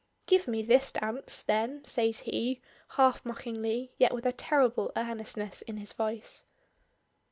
"Give me this dance," then says he, half mockingly, yet with a terrible earnestness in his voice.